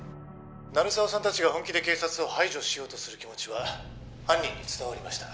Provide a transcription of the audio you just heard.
鳴沢さん達が本気で警察を排除しようとする気持ちは犯人に伝わりました